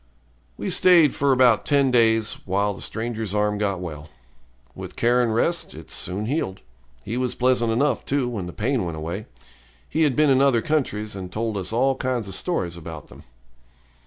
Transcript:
We stayed for about ten days, while the stranger's arm got well. With care and rest, it soon healed. He was pleasant enough, too, when the pain went away. He had been in other countries, and told us all kinds of stories about them.